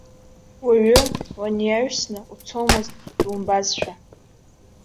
Уаҩы унаиаҩсны уцомызт, думбазшәа.